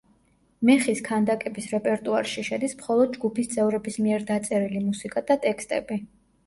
მეხის ქანდაკების რეპერტუარში შედის მხოლოდ ჯგუფის წევრების მიერ დაწერილი მუსიკა და ტექსტები.